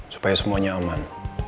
supaya semuanya aman